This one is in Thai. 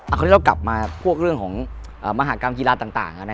อันนี้เรากลับมาพวกเรื่องของมหากรรมกีฬาต่าง